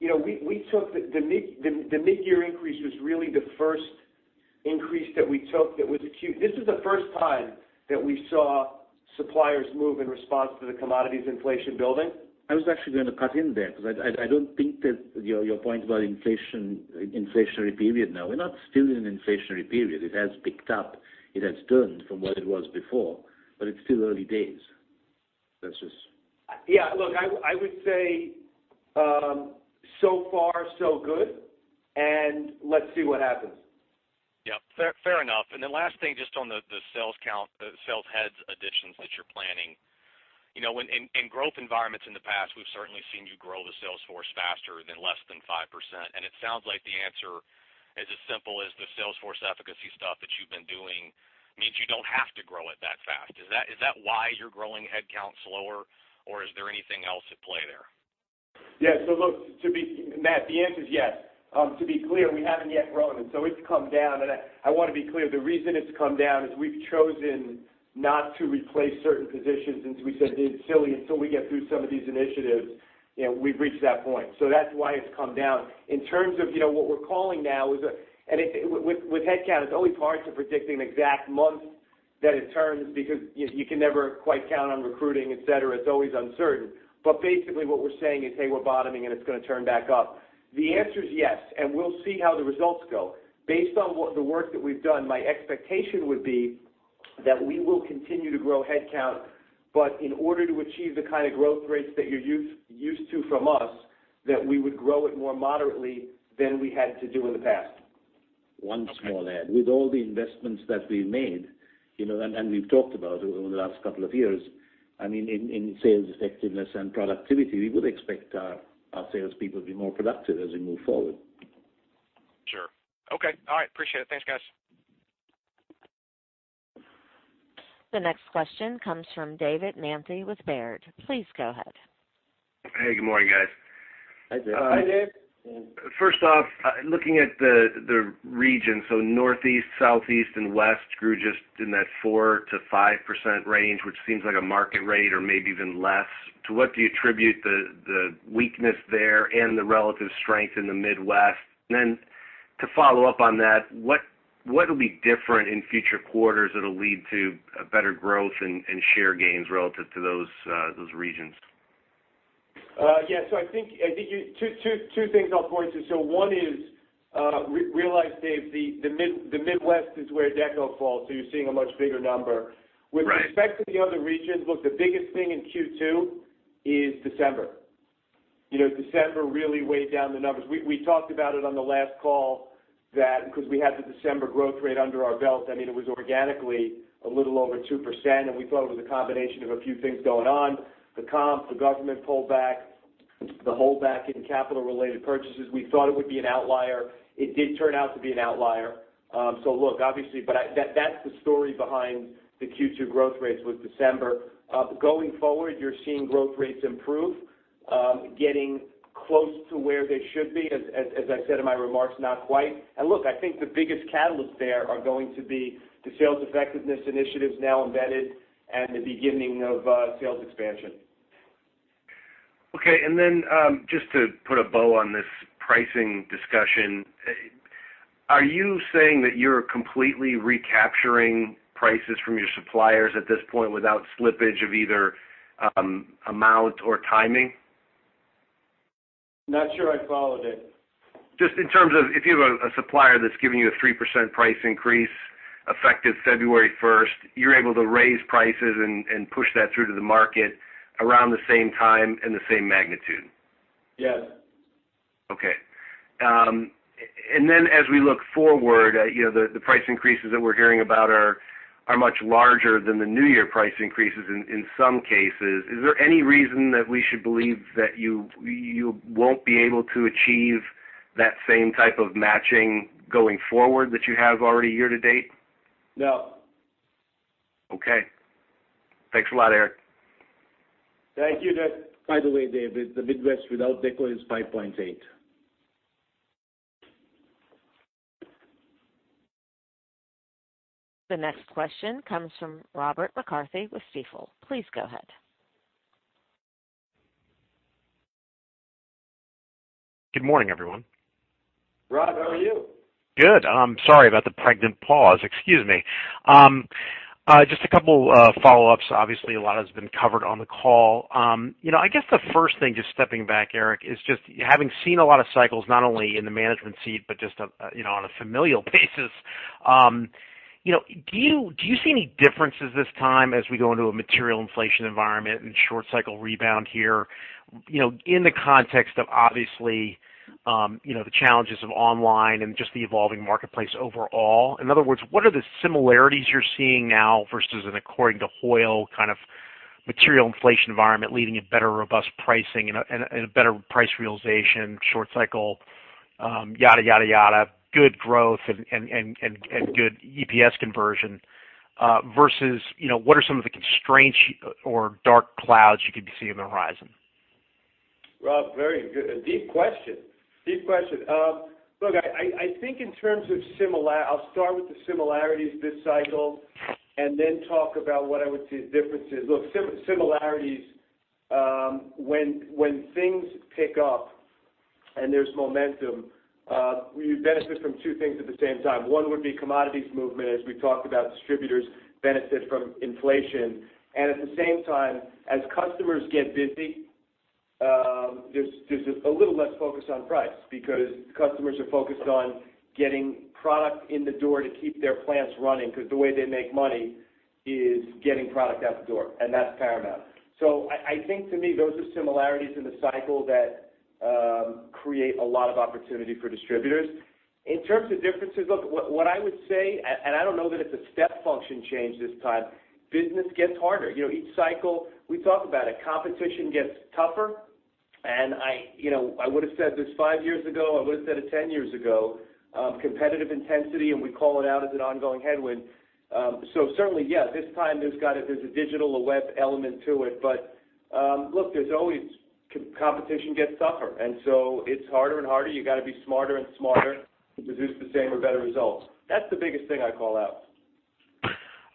The mid-year increase was really the first increase that we took that was acute. This is the first time that we saw suppliers move in response to the commodities inflation building. I was actually going to cut in there because I don't think that your point about inflationary period now. We're not still in an inflationary period. It has picked up. It has turned from what it was before, but it's still early days. Look, I would say so far so good, and let's see what happens. Yep. Fair enough. Last thing, just on the sales heads additions that you're planning. In growth environments in the past, we've certainly seen you grow the sales force faster than less than 5%. It sounds like the answer is as simple as the sales force efficacy stuff that you've been doing means you don't have to grow it that fast. Is that why you're growing headcount slower, or is there anything else at play there? Yeah. Look, Matt, the answer is yes. To be clear, we haven't yet grown, and so it's come down, and I want to be clear, the reason it's come down is we've chosen not to replace certain positions since we said it's silly until we get through some of these initiatives. We've reached that point. That's why it's come down. In terms of what we're calling now, with headcount, it's always hard to predict an exact month that it turns because you can never quite count on recruiting, et cetera. It's always uncertain. Basically what we're saying is, "Hey, we're bottoming and it's going to turn back up." The answer is yes, and we'll see how the results go. Based on the work that we've done, my expectation would be that we will continue to grow headcount, but in order to achieve the kind of growth rates that you're used to from us, that we would grow it more moderately than we had to do in the past. One small add. With all the investments that we've made, and we've talked about over the last couple of years, in sales effectiveness and productivity, we would expect our salespeople to be more productive as we move forward. Sure. Okay. All right. Appreciate it. Thanks, guys. The next question comes from David Manthey with Baird. Please go ahead. Hey, good morning, guys. Hi, Dave. Hi, Dave. First off, looking at the regions, Northeast, Southeast, and West grew just in that 4%-5% range, which seems like a market rate or maybe even less. To what do you attribute the weakness there and the relative strength in the Midwest? To follow up on that, what will be different in future quarters that'll lead to better growth and share gains relative to those regions? Yeah. I think two things I'll point to. One is, realize, Dave, the Midwest is where DECO falls, you're seeing a much bigger number. Right. With respect to the other regions, look, the biggest thing in Q2 is December. December really weighed down the numbers. We talked about it on the last call that because we had the December growth rate under our belt, it was organically a little over 2%, and we thought it was a combination of a few things going on. The comps, the government pullback, the holdback in capital-related purchases. We thought it would be an outlier. It did turn out to be an outlier. Look, obviously, that's the story behind the Q2 growth rates was December. Going forward, you're seeing growth rates improve, getting close to where they should be, as I said in my remarks, not quite. Look, I think the biggest catalyst there are going to be the sales effectiveness initiatives now embedded and the beginning of sales expansion. Okay. Just to put a bow on this pricing discussion, are you saying that you're completely recapturing prices from your suppliers at this point without slippage of either amount or timing? Not sure I followed it. Just in terms of, if you have a supplier that's giving you a 3% price increase effective February 1st, you're able to raise prices and push that through to the market around the same time and the same magnitude? Yes. Okay. As we look forward, the price increases that we're hearing about are much larger than the new year price increases in some cases. Is there any reason that we should believe that you won't be able to achieve that same type of matching going forward that you have already year to date? No. Okay. Thanks a lot, Erik. Thank you, Dave. By the way, David, the Midwest without DECO is 5.8. The next question comes from Robert McCarthy with Stifel. Please go ahead. Good morning, everyone. Rob, how are you? Good. I'm sorry about the pregnant pause. Excuse me. Just a couple follow-ups. Obviously, a lot has been covered on the call. I guess the first thing, just stepping back, Erik, is just having seen a lot of cycles, not only in the management seat, but just on a familial basis. Do you see any differences this time as we go into a material inflation environment and short cycle rebound here, in the context of obviously, the challenges of e-commerce and just the evolving marketplace overall? In other words, what are the similarities you're seeing now versus in according to Hoyle kind of material inflation environment leading to better robust pricing and a better price realization, short cycle, yada, yada, good growth and good EPS conversion, versus what are some of the constraints or dark clouds you could see on the horizon? Rob, very good. A deep question. Look, I think in terms of I'll start with the similarities this cycle, then talk about what I would say is differences. Look, similarities, when things pick up and there's momentum, we benefit from two things at the same time. One would be commodities movement, as we talked about distributors benefit from inflation. At the same time, as customers get busy, there's a little less focus on price because customers are focused on getting product in the door to keep their plants running, because the way they make money is getting product out the door, and that's paramount. I think to me, those are similarities in the cycle that create a lot of opportunity for distributors. In terms of differences, look, what I would say, and I don't know that it's a step function change this time, business gets harder. Each cycle, we talk about it, competition gets tougher. I would've said this five years ago, I would've said it 10 years ago, competitive intensity, and we call it out as an ongoing headwind. Certainly, yeah, this time there's a digital, a web element to it. Look, there's always competition gets tougher, and so it's harder and harder. You got to be smarter and smarter to produce the same or better results. That's the biggest thing I call out.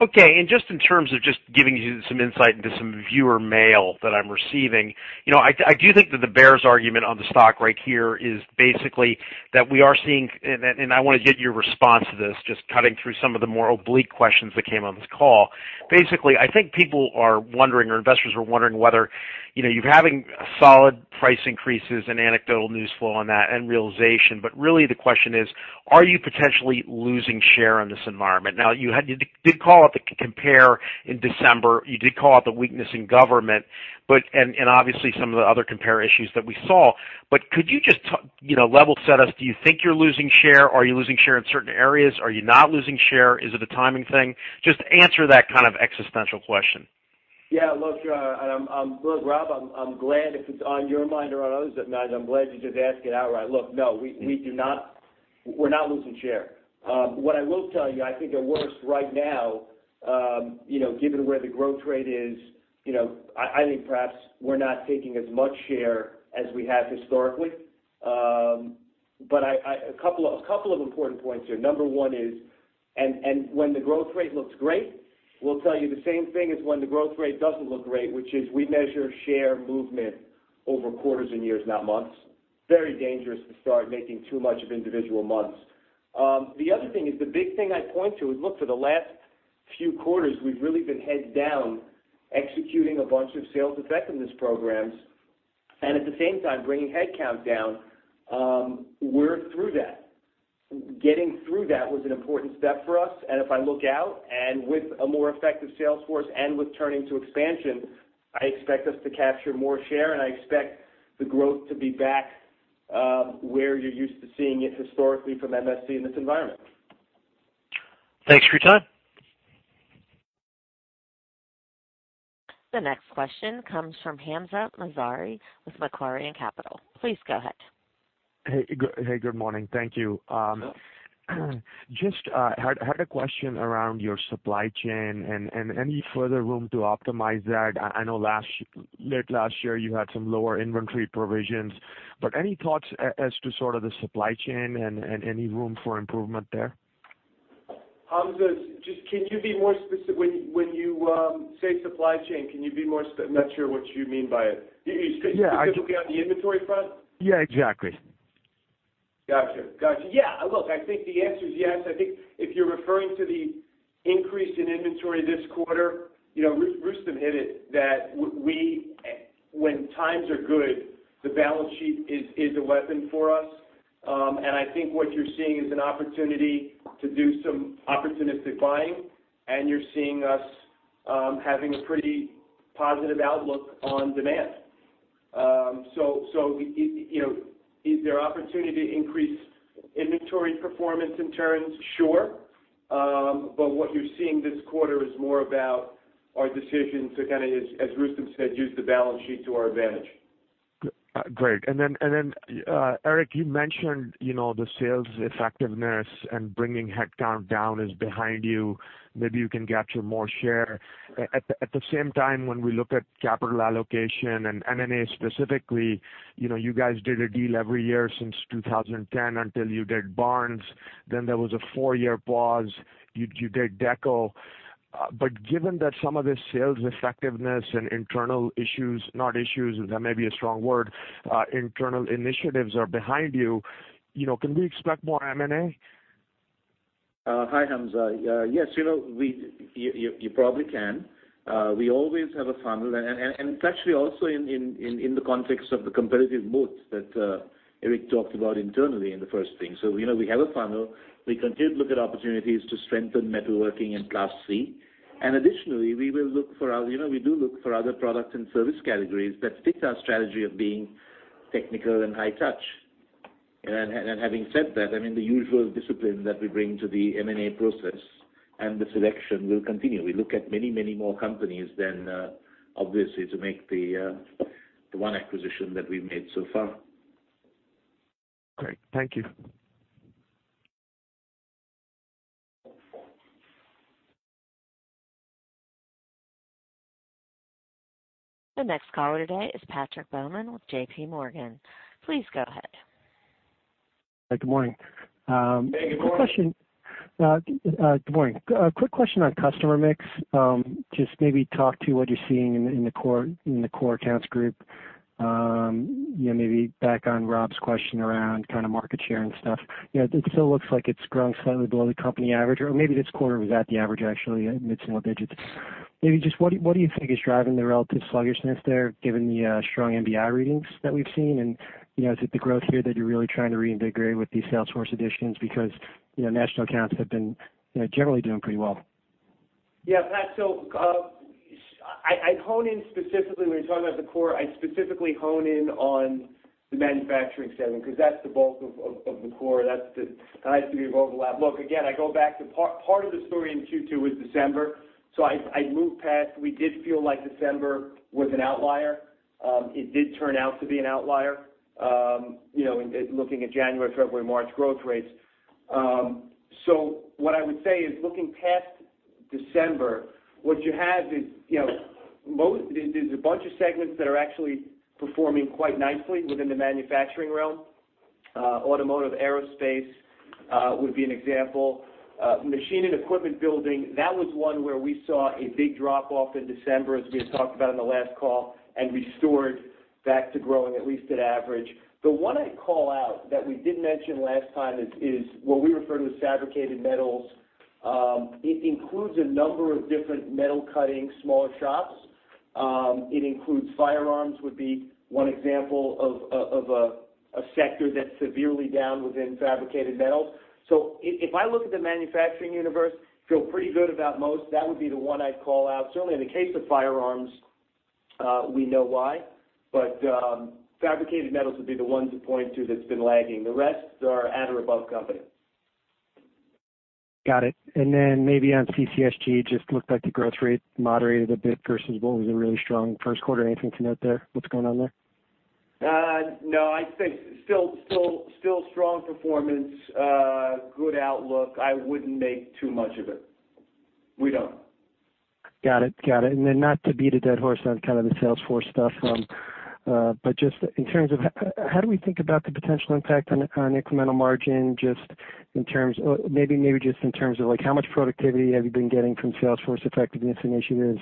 Okay, just in terms of just giving you some insight into some viewer mail that I'm receiving, I do think that the bears argument on the stock right here is basically that we are seeing, and I want to get your response to this, just cutting through some of the more oblique questions that came on this call. Basically, I think people are wondering, or investors are wondering whether you're having solid price increases and anecdotal news flow on that and realization. Really the question is: Are you potentially losing share on this environment? You did call out the compare in December. You did call out the weakness in government, and obviously some of the other compare issues that we saw. Could you just level set us? Do you think you're losing share? Are you losing share in certain areas? Are you not losing share? Is it a timing thing? Just answer that kind of existential question. Look, Rob, I'm glad if it's on your mind or on others' minds, I'm glad you just asked it outright. Look, no, we're not losing share. What I will tell you, I think at worst right now, given where the growth rate is, I think perhaps we're not taking as much share as we have historically. A couple of important points here. Number one is, and when the growth rate looks great, we'll tell you the same thing as when the growth rate doesn't look great, which is we measure share movement over quarters and years, not months. Very dangerous to start making too much of individual months. The other thing is, the big thing I'd point to is, look, for the last few quarters, we've really been head down executing a bunch of sales effectiveness programs, and at the same time bringing headcount down. We're through that. Getting through that was an important step for us, and if I look out, and with a more effective sales force and with turning to expansion, I expect us to capture more share, and I expect the growth to be back where you're used to seeing it historically from MSC in this environment. Thanks for your time. The next question comes from Hamzah Mazari with Macquarie Capital. Please go ahead. Hey. Good morning. Thank you. Sure. Just had a question around your supply chain and any further room to optimize that. I know late last year you had some lower inventory provisions, but any thoughts as to sort of the supply chain and any room for improvement there? Hamzah, when you say supply chain, can you be more specific? I'm not sure what you mean by it. Specifically on the inventory front? Yeah, exactly. Got you. Yeah, look, I think the answer is yes. I think if you're referring to the increase in inventory this quarter, Rustom hit it, that when times are good, the balance sheet is a weapon for us. I think what you're seeing is an opportunity to do some opportunistic buying, and you're seeing us having a pretty positive outlook on demand. Is there opportunity to increase inventory performance in turns? Sure. What you're seeing this quarter is more about our decision to kind of, as Rustom said, use the balance sheet to our advantage. Great. Erik, you mentioned the sales effectiveness and bringing headcount down is behind you. Maybe you can capture more share. At the same time, when we look at capital allocation and M&A specifically, you guys did a deal every year since 2010 until you did Barnes. Then there was a four-year pause. You did DECO. Given that some of the sales effectiveness and internal issues, not issues, that may be a strong word, internal initiatives are behind you, can we expect more M&A? Hi, Hamzah. Yes, you probably can. We always have a funnel, and it's actually also in the context of the competitive moats that Erik talked about internally in the first thing. We have a funnel. We continue to look at opportunities to strengthen metalworking and Class C. Additionally, we do look for other products and service categories that fit our strategy of being technical and high touch. Having said that, the usual discipline that we bring to the M&A process and the selection will continue. We look at many more companies than, obviously, to make the one acquisition that we've made so far. Great. Thank you. The next caller today is Patrick Baumann with JPMorgan. Please go ahead. Good morning. Good morning. Good morning. A quick question on customer mix. Just maybe talk to what you're seeing in the core accounts group. Maybe back on Rob's question around kind of market share and stuff. It still looks like it's growing slightly below the company average, or maybe this quarter was at the average, actually, mid-single digits. What do you think is driving the relative sluggishness there, given the strong MBI readings that we've seen? Is it the growth here that you're really trying to reinvigorate with these salesforce additions because, National Accounts have been generally doing pretty well? Yeah, Pat, I hone in specifically when you're talking about the core, I specifically hone in on the manufacturing segment, because that's the bulk of the core. That has to be overlap. Look, again, I go back to part of the story in Q2 was December. I moved past. We did feel like December was an outlier. It did turn out to be an outlier, in looking at January, February, March growth rates. What I would say is looking past December, what you have is a bunch of segments that are actually performing quite nicely within the manufacturing realm. Automotive, aerospace would be an example. Machine and equipment building, that was one where we saw a big drop-off in December, as we had talked about on the last call, and restored back to growing at least at average. The one I'd call out that we didn't mention last time is what we refer to as fabricated metals. It includes a number of different metal-cutting smaller shops. It includes firearms, would be one example of a sector that's severely down within fabricated metals. If I look at the manufacturing universe, feel pretty good about most, that would be the one I'd call out. Certainly, in the case of firearms, we know why, fabricated metals would be the one to point to that's been lagging. The rest are at or above company. Got it. Maybe on CCSG, just looked like the growth rate moderated a bit versus what was a really strong first quarter. Anything to note there? What's going on there? No, I think still strong performance, good outlook. I wouldn't make too much of it. We don't. Got it. Not to beat a dead horse on kind of the salesforce stuff, but just in terms of how do we think about the potential impact on incremental margin, just in terms of how much productivity have you been getting from salesforce effectiveness initiatives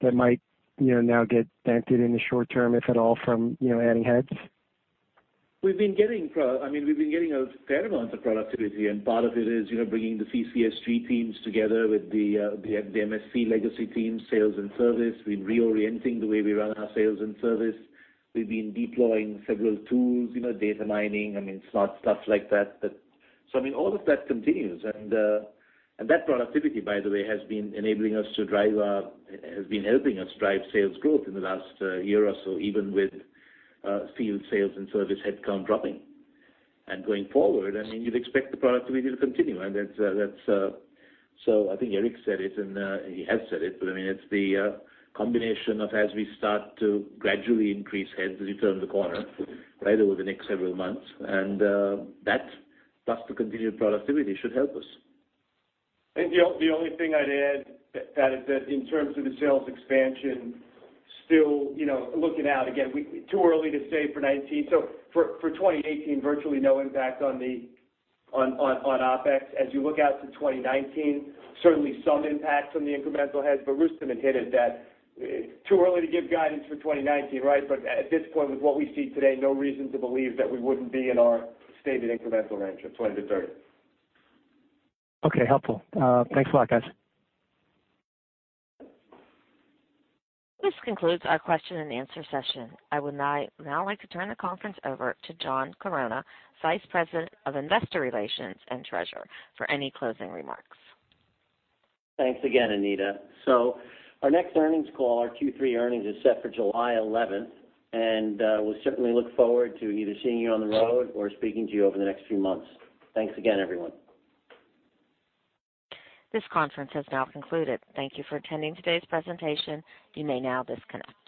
that might now get dented in the short term, if at all, from adding heads? We've been getting a fair amount of productivity, part of it is bringing the CCSG teams together with the MSC legacy teams, sales and service. We're reorienting the way we run our sales and service. We've been deploying several tools, data mining, I mean, smart stuff like that. All of that continues. That productivity, by the way, has been helping us drive sales growth in the last year or so, even with field sales and service headcount dropping. Going forward, you'd expect the productivity to continue. I think Erik said it, and he has said it, but it's the combination of as we start to gradually increase heads as we turn the corner right over the next several months, that, plus the continued productivity should help us. I think the only thing I'd add to that is that in terms of the sales expansion, still looking out, again, too early to say for 2019. For 2018, virtually no impact on OpEx. As you look out to 2019, certainly some impacts on the incremental heads, but Rustom had hinted that too early to give guidance for 2019, right? But at this point, with what we see today, no reason to believe that we wouldn't be in our stated incremental range of 20 to 30. Okay, helpful. Thanks a lot, guys. This concludes our question and answer session. I would now like to turn the conference over to John Chironna, Vice President of Investor Relations and Treasurer, for any closing remarks. Thanks again, Anita. Our next earnings call, our Q3 earnings, is set for July 11th, and we'll certainly look forward to either seeing you on the road or speaking to you over the next few months. Thanks again, everyone. This conference has now concluded. Thank you for attending today's presentation. You may now disconnect.